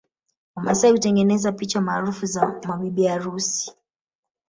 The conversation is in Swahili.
Wamasai hutengeneza picha maarufu za mabibi harusi